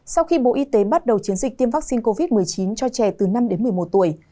sau khi bộ y tế bắt đầu chiến dịch tiêm vaccine covid một mươi chín cho trẻ từ năm đến một mươi một tuổi